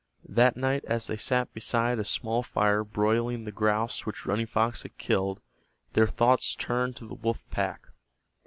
That night as they sat beside a small fire broiling the grouse which Running Fox had killed their thoughts turned to the wolf pack.